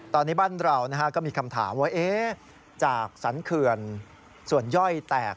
ตอนนี้บ้านเราก็มีคำถามว่าจากสรรเขื่อนส่วนย่อยแตก